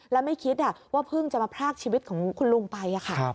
และไม่คิดว่าเพิ่งจะมาพรากชีวิตของคุณลุงไปค่ะ